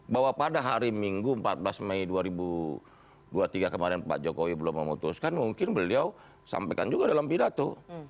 bahwa pada hari minggu empat belas mei dua ribu dua puluh tiga kemarin pak jokowi belum memutuskan mungkin beliau sampaikan juga dalam pidato